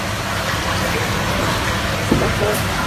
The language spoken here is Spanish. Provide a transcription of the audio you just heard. La más grande tiene al menos cinco estancias.